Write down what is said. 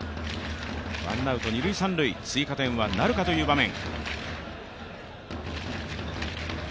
ワンアウト、二塁三塁追加点なるかという場面。